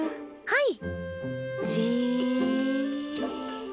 はい！